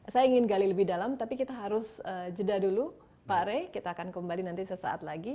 saya ingin gali lebih dalam tapi kita harus jeda dulu pak rey kita akan kembali nanti sesaat lagi